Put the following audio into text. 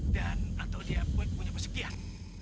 dan atau dia punya pesekian